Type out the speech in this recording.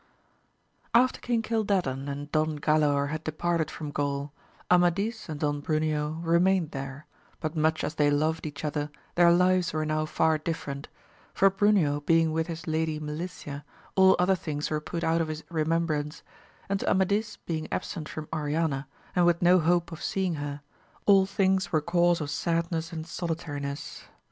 FTER King Cildadan and Don Galaor had de parted from Gaul, Amadis and Don Bruneo remained there, but much as they loved each other their lives were now far different ; for Bruneo being with his Lady Melicia all other things were put out of his remembrance, and to Amadis being absent from Oriana, and with no hope of seeing her, all things were cause of sadness and solitariness.